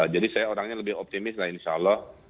jadi saya orangnya lebih optimis insya allah